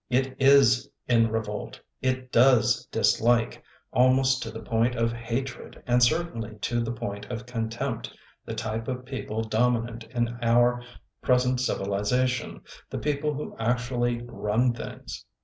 It 18 in revolt; it does dislike, almost to the point of hatred and certainly to the point of contempt, the type of peo ple dominant in our present civiliza tion, the people who actually "run things".